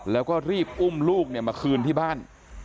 แล้วก็รีบอุ้มลูกมาคืนที่บ้าน